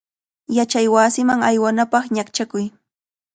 Yachaywasiman aywanapaq ñaqchakuy.